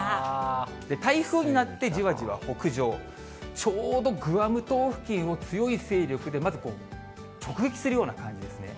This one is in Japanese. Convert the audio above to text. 台風になってじわじわ北上、ちょうどグアム島付近を強い勢力でまずこう、直撃するような感じですね。